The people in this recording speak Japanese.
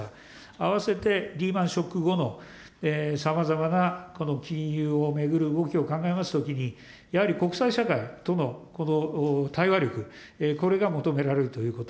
あわせてリーマンショック後のさまざまな金融を巡る動きを考えますときに、やはり国際社会との対話力、これが求められるということ。